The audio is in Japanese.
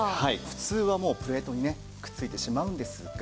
普通はもうプレートにねくっついてしまうんですが。